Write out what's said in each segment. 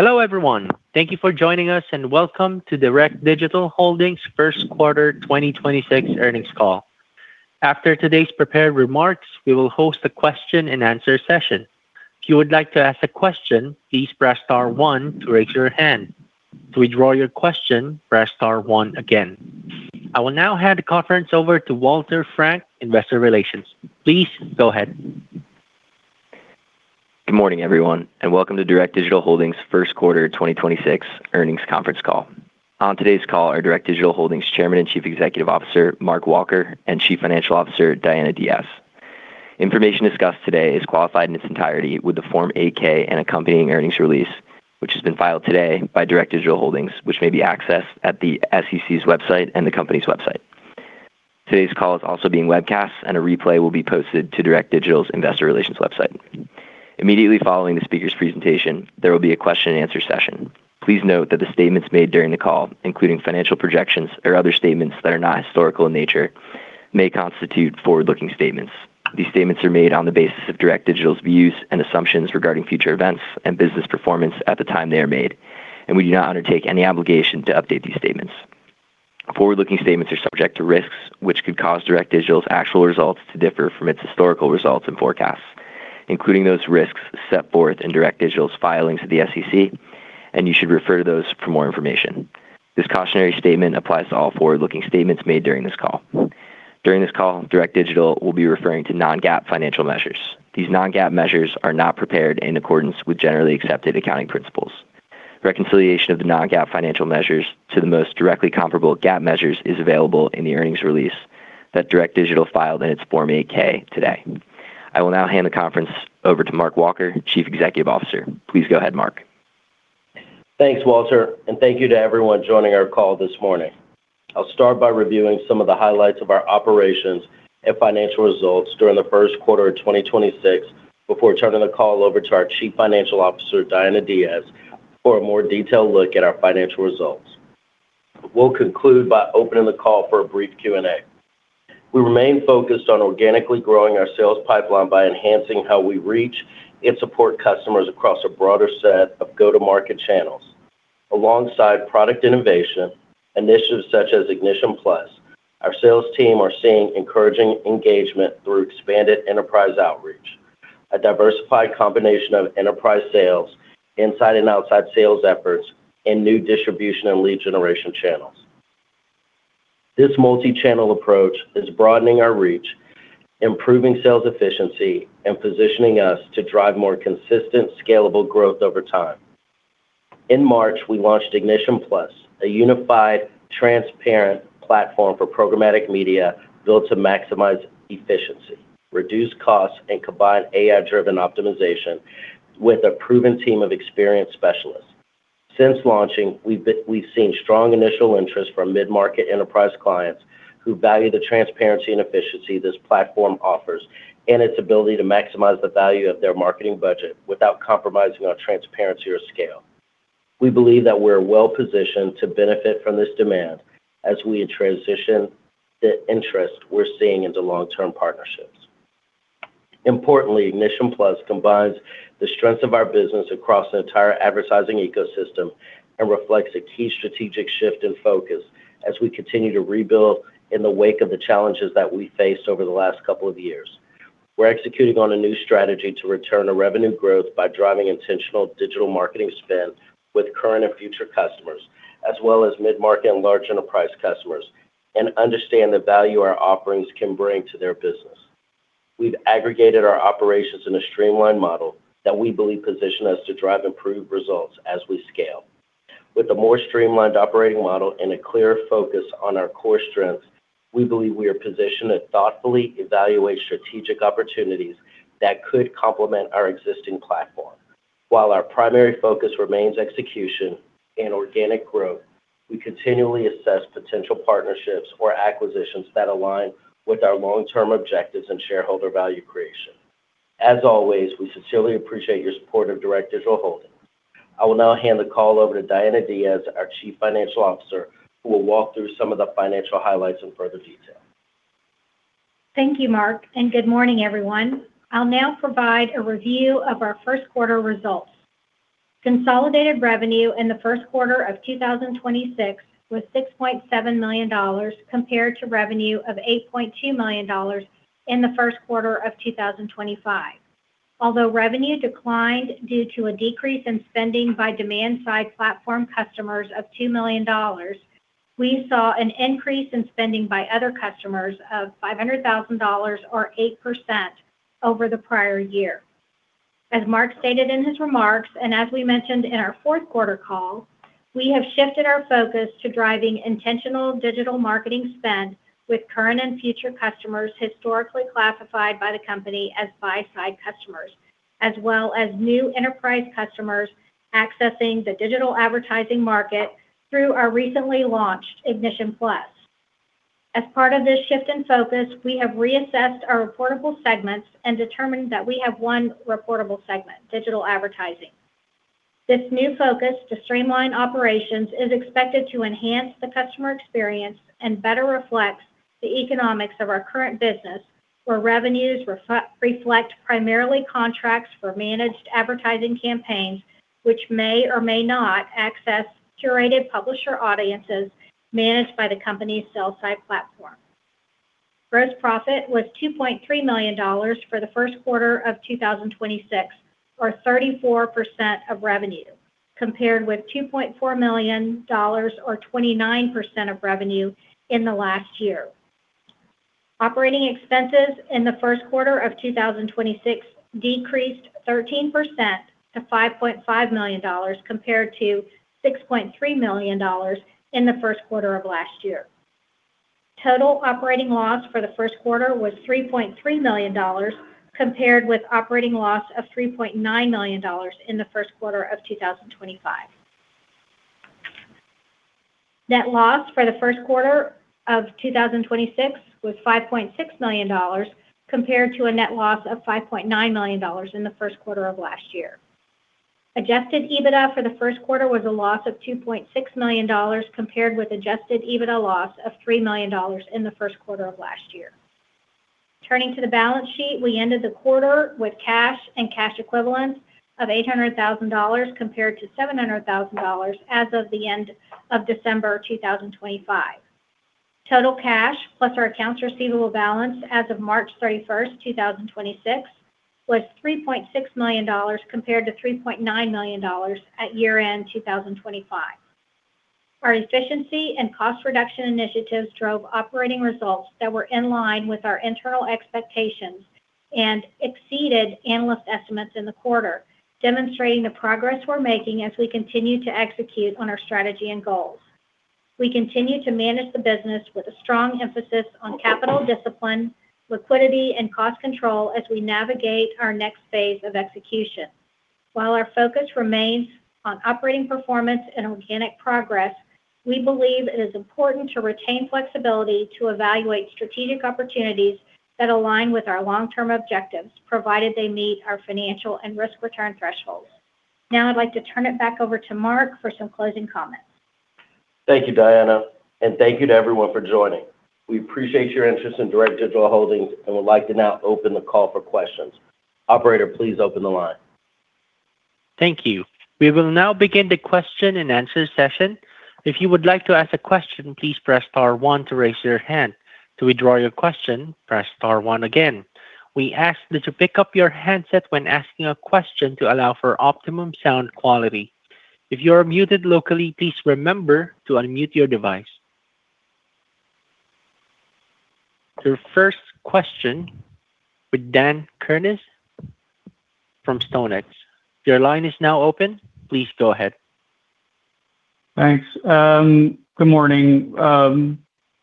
Hello, everyone. Thank you for joining us, and welcome to Direct Digital Holdings' first quarter 2026 earnings call. After today's prepared remarks, we will host a question and answer session. If you would like to ask a question, please press star one to raise your hand. To withdraw your question, press star one again. I will now hand the conference over to Walter Frank, Investor Relations. Please go ahead. Good morning, everyone, and welcome to Direct Digital Holdings' first quarter 2026 earnings conference call. On today's call are Direct Digital Holdings Chairman and Chief Executive Officer, Mark Walker, and Chief Financial Officer, Diana Diaz. Information discussed today is qualified in its entirety with the Form 8-K and accompanying earnings release, which has been filed today by Direct Digital Holdings, which may be accessed at the SEC's website and the company's website. Today's call is also being webcast, and a replay will be posted to Direct Digital's investor relations website. Immediately following the speakers' presentation, there will be a question and answer session. Please note that the statements made during the call, including financial projections or other statements that are not historical in nature, may constitute forward-looking statements. These statements are made on the basis of Direct Digital's views and assumptions regarding future events and business performance at the time they are made, and we do not undertake any obligation to update these statements. Forward-looking statements are subject to risks which could cause Direct Digital's actual results to differ from its historical results and forecasts, including those risks set forth in Direct Digital's filings with the SEC, and you should refer to those for more information. This cautionary statement applies to all forward-looking statements made during this call. During this call, Direct Digital will be referring to non-GAAP financial measures. These non-GAAP measures are not prepared in accordance with generally accepted accounting principles. Reconciliation of the non-GAAP financial measures to the most directly comparable GAAP measures is available in the earnings release that Direct Digital filed in its Form 8-K today. I will now hand the conference over to Mark Walker, Chief Executive Officer. Please go ahead, Mark. Thanks, Walter. Thank you to everyone joining our call this morning. I'll start by reviewing some of the highlights of our operations and financial results during the first quarter of 2026 before turning the call over to our Chief Financial Officer, Diana Diaz, for a more detailed look at our financial results. We'll conclude by opening the call for a brief Q&A. We remain focused on organically growing our sales pipeline by enhancing how we reach and support customers across a broader set of go-to-market channels. Alongside product innovation, initiatives such as Ignition+, our sales team are seeing encouraging engagement through expanded enterprise outreach, a diversified combination of enterprise sales, inside and outside sales efforts, and new distribution and lead generation channels. This multi-channel approach is broadening our reach, improving sales efficiency, and positioning us to drive more consistent, scalable growth over time. In March, we launched Ignition+, a unified, transparent platform for programmatic media built to maximize efficiency, reduce costs, and combine AI-driven optimization with a proven team of experienced specialists. Since launching, we've seen strong initial interest from mid-market enterprise clients who value the transparency and efficiency this platform offers and its ability to maximize the value of their marketing budget without compromising on transparency or scale. We believe that we're well-positioned to benefit from this demand as we transition the interest we're seeing into long-term partnerships. Importantly, Ignition+ combines the strengths of our business across the entire advertising ecosystem and reflects a key strategic shift in focus as we continue to rebuild in the wake of the challenges that we faced over the last couple of years. We're executing on a new strategy to return to revenue growth by driving intentional digital marketing spend with current and future customers, as well as mid-market and large enterprise customers, and understand the value our offerings can bring to their business. We've aggregated our operations in a streamlined model that we believe position us to drive improved results as we scale. With a more streamlined operating model and a clear focus on our core strengths, we believe we are positioned to thoughtfully evaluate strategic opportunities that could complement our existing platform. While our primary focus remains execution and organic growth, we continually assess potential partnerships or acquisitions that align with our long-term objectives and shareholder value creation. As always, we sincerely appreciate your support of Direct Digital Holdings. I will now hand the call over to Diana Diaz, our Chief Financial Officer, who will walk through some of the financial highlights in further detail. Thank you, Mark, good morning, everyone. I'll now provide a review of our first quarter results. Consolidated revenue in the first quarter of 2026 was $6.7 million compared to revenue of $8.2 million in the first quarter of 2025. Although revenue declined due to a decrease in spending by demand-side platform customers of $2 million, we saw an increase in spending by other customers of $500,000 or 8% over the prior year. As Mark stated in his remarks and as we mentioned in our fourth quarter call, we have shifted our focus to driving intentional digital marketing spend with current and future customers historically classified by the company as buy-side customers, as well as new enterprise customers accessing the digital advertising market through our recently launched Ignition+. As part of this shift in focus, we have reassessed our reportable segments and determined that we have one reportable segment: digital advertising. This new focus to streamline operations is expected to enhance the customer experience and better reflect the economics of our current business, where revenues reflect primarily contracts for managed advertising campaigns, which may or may not access curated publisher audiences managed by the company's sell-side platform. Gross profit was $2.3 million for the first quarter of 2026, or 34% of revenue, compared with $2.4 million, or 29% of revenue in the last year. Operating expenses in the first quarter of 2026 decreased 13% to $5.5 million compared to $6.3 million in the first quarter of last year. Total operating loss for the first quarter was $3.3 million compared with operating loss of $3.9 million in the first quarter of 2025. Net loss for the first quarter of 2026 was $5.6 million compared to a net loss of $5.9 million in the first quarter of last year. Adjusted EBITDA for the first quarter was a loss of $2.6 million compared with Adjusted EBITDA loss of $3 million in the first quarter of last year. Turning to the balance sheet, we ended the quarter with cash and cash equivalents of $800,000 compared to $700,000 as of the end of December 2025. Total cash plus our accounts receivable balance as of March 31st, 2026 was $3.6 million compared to $3.9 million at year-end 2025. Our efficiency and cost reduction initiatives drove operating results that were in line with our internal expectations and exceeded analyst estimates in the quarter, demonstrating the progress we're making as we continue to execute on our strategy and goals. We continue to manage the business with a strong emphasis on capital discipline, liquidity, and cost control as we navigate our next phase of execution. While our focus remains on operating performance and organic progress, we believe it is important to retain flexibility to evaluate strategic opportunities that align with our long-term objectives, provided they meet our financial and risk return thresholds. I'd like to turn it back over to Mark for some closing comments. Thank you, Diana, and thank you to everyone for joining. We appreciate your interest in Direct Digital Holdings and would like to now open the call for questions. Operator, please open the line. Thank you. We will now begin the question and answer session. If you would like to ask a question, please press star one to raise your hand. To withdraw your question, press star one again. We ask that you pick up your handset when asking a question to allow for optimum sound quality. If you're muted locally, please remember to unmute your device. Your first question with Daniel Conrath from StoneX. Your line is now open. Please go ahead. Thanks. Good morning.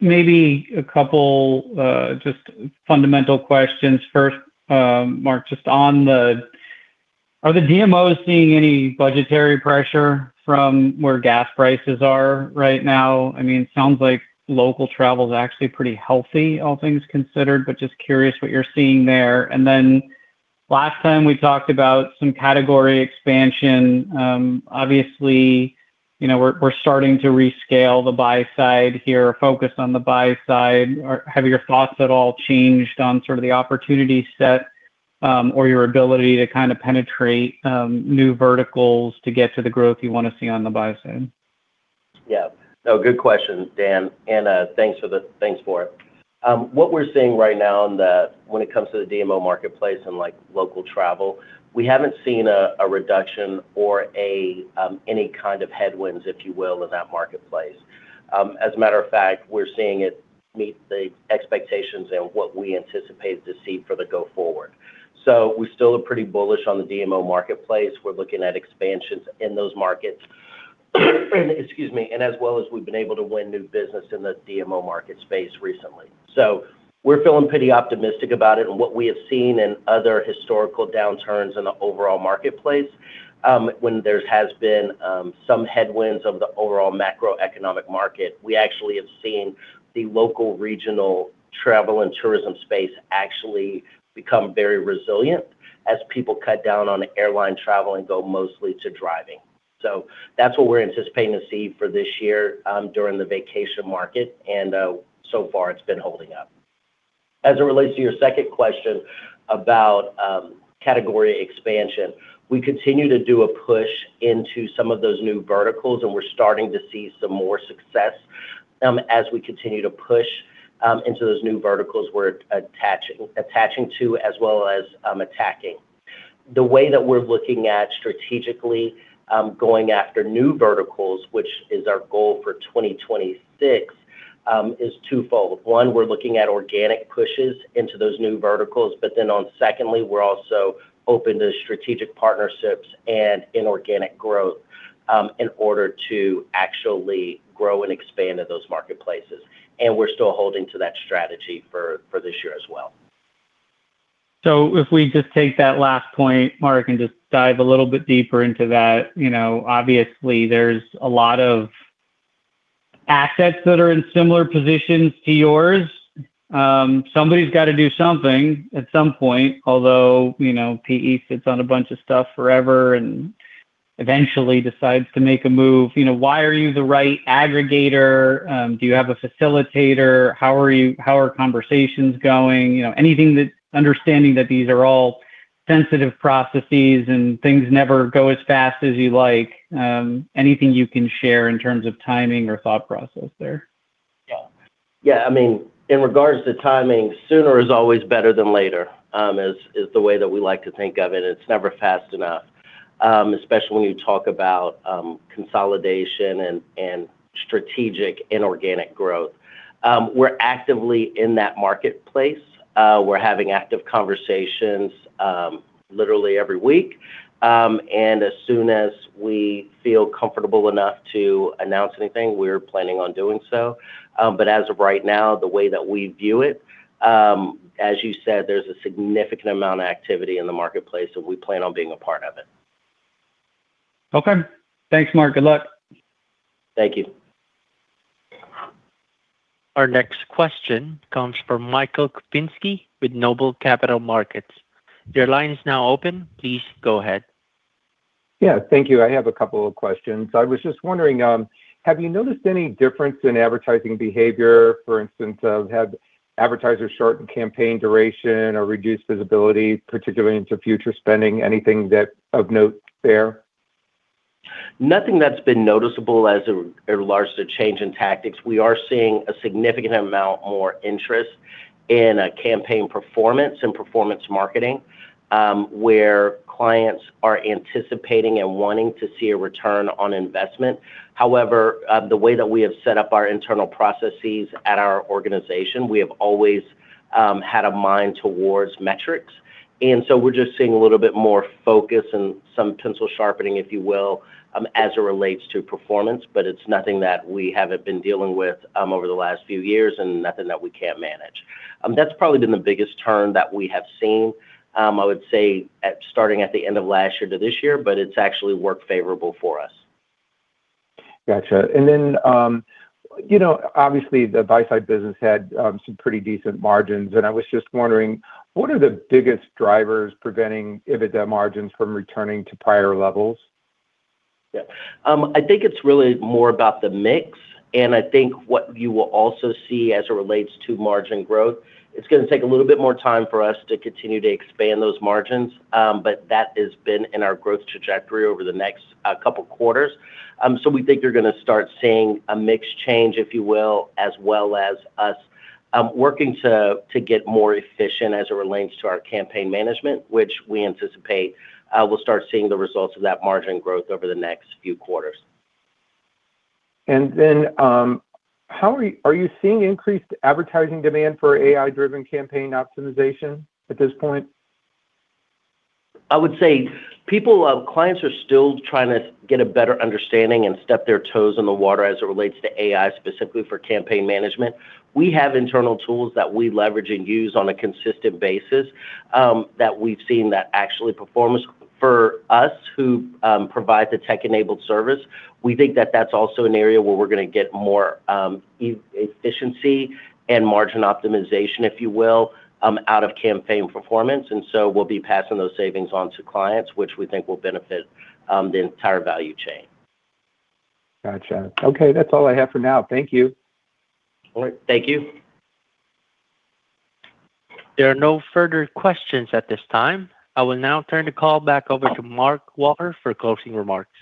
Maybe a couple, just fundamental questions first, Mark, just on the Are the DMOs seeing any budgetary pressure from where gas prices are right now? I mean, it sounds like local travel is actually pretty healthy, all things considered, but just curious what you're seeing there. Then last time we talked about some category expansion, obviously, you know, we're starting to rescale the buy side here, focus on the buy side. Have your thoughts at all changed on sort of the opportunity set, or your ability to kind of penetrate new verticals to get to the growth you want to see on the buy side? Yeah. No, good questions, Dan, thanks for it. What we're seeing right now when it comes to the DMO marketplace and like, local travel, we haven't seen a reduction or any kind of headwinds, if you will, in that marketplace. As a matter of fact, we're seeing it meet the expectations and what we anticipated to see for the go forward. We still are pretty bullish on the DMO marketplace. We're looking at expansions in those markets. Excuse me. As well as we've been able to win new business in the DMO market space recently. We're feeling pretty optimistic about it. What we have seen in other historical downturns in the overall marketplace, when there's been some headwinds of the overall macroeconomic market, we actually have seen the local regional travel and tourism space actually become very resilient as people cut down on airline travel and go mostly to driving. That's what we're anticipating to see for this year, during the vacation market, and, so far, it's been holding up. As it relates to your second question about category expansion, we continue to do a push into some of those new verticals, and we're starting to see some more success, as we continue to push, into those new verticals we're attaching to as well as, attacking. The way that we're looking at strategically, going after new verticals, which is our goal for 2026, is twofold. One, we're looking at organic pushes into those new verticals, secondly, we're also open to strategic partnerships and inorganic growth, in order to actually grow and expand in those marketplaces. We're still holding to that strategy for this year as well. If we just take that last point, Mark, and just dive a little bit deeper into that, you know, obviously, there's a lot of assets that are in similar positions to yours. Somebody's got to do something at some point, although, you know, PE sits on a bunch of stuff forever and eventually decides to make a move. You know, why are you the right aggregator? Do you have a facilitator? How are conversations going? You know, anything- understanding that these are all sensitive processes and things never go as fast as you like, anything you can share in terms of timing or thought process there? Yeah. Yeah, I mean, in regards to timing, sooner is always better than later, is the way that we like to think of it. It's never fast enough. Especially when you talk about consolidation and strategic inorganic growth. We're actively in that marketplace. We're having active conversations literally every week. As soon as we feel comfortable enough to announce anything, we're planning on doing so. As of right now, the way that we view it, as you said, there's a significant amount of activity in the marketplace, and we plan on being a part of it. Okay. Thanks, Mark. Good luck. Thank you. Our next question comes from Michael Kupinski with Noble Capital Markets. Your line is now open. Please go ahead. Yeah, thank you. I have a couple of questions. I was just wondering, have you noticed any difference in advertising behavior? For instance, have advertisers shortened campaign duration or reduced visibility, particularly into future spending? Anything of note there? Nothing that's been noticeable as it relates to change in tactics. We are seeing a significant amount more interest in a campaign performance and performance marketing, where clients are anticipating and wanting to see a return on investment. However, the way that we have set up our internal processes at our organization, we have always had a mind towards metrics. We're just seeing a little bit more focus and some pencil sharpening, if you will, as it relates to performance, but it's nothing that we haven't been dealing with over the last few years and nothing that we can't manage. That's probably been the biggest turn that we have seen, I would say starting at the end of last year to this year, but it's actually worked favorable for us. Gotcha. You know, obviously, the buy-side business had some pretty decent margins, and I was just wondering, what are the biggest drivers preventing EBITDA margins from returning to prior levels? Yeah. I think it's really more about the mix. I think what you will also see as it relates to margin growth, it's gonna take a little bit more time for us to continue to expand those margins. That has been in our growth trajectory over the next couple quarters. We think you're gonna start seeing a mix change, if you will, as well as us, working to get more efficient as it relates to our campaign management, which we anticipate, we'll start seeing the results of that margin growth over the next few quarters. Are you seeing increased advertising demand for AI-driven campaign optimization at this point? I would say clients are still trying to get a better understanding and step their toes in the water as it relates to AI, specifically for campaign management. We have internal tools that we leverage and use on a consistent basis that we've seen that actually performs. For us who provide the tech-enabled service, we think that that's also an area where we're gonna get more efficiency and margin optimization, if you will, out of campaign performance. We'll be passing those savings on to clients, which we think will benefit the entire value chain. Gotcha. Okay, that's all I have for now. Thank you. All right. Thank you. There are no further questions at this time. I will now turn the call back over to Mark Walker for closing remarks.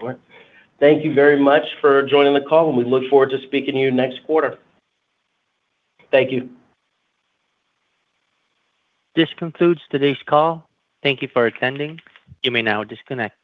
All right. Thank you very much for joining the call, and we look forward to speaking to you next quarter. Thank you. This concludes today's call. Thank you for attending. You may now disconnect.